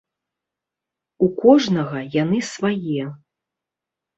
У кожнага яны свае.